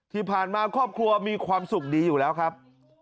ที่ผ่านมาครอบครัวมีความสุขดีอยู่แล้วครับ